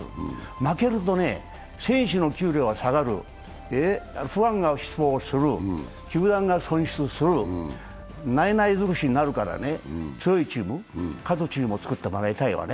負けるとね、選手の給料は下がる、ファンが失望する、球団が損失する、ないない尽くしになるからね、強いチーム、勝つチームを作ってもらいたいわね。